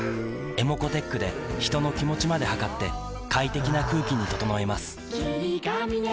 ｅｍｏｃｏーｔｅｃｈで人の気持ちまで測って快適な空気に整えます